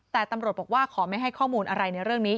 แต่ตำรวจบอกว่าขอไม่ให้ข้อมูลอะไรในเรื่องนี้